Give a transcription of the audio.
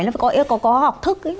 nó có học thức